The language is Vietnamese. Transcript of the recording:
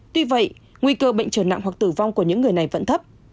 tuy vậy nguy cơ bệnh trở nặng hoặc tử vong của những người này vẫn thấp